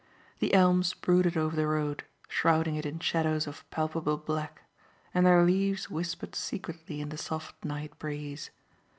The elms brooded over the road, shrouding it in shadows of palpable black, and their leaves whispered secretly in the soft night breeze.